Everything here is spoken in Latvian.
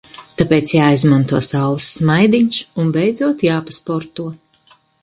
Tāpēc jāizmanto saules smaidiņš un beidzot jāpasporto.